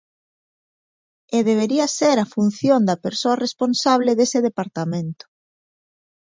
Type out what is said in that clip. E debería ser a función da persoa responsable dese departamento.